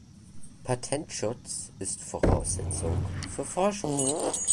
Patentschutz ist Voraussetzung für Forschung!